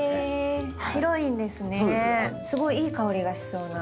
すごいいい香りがしそうな。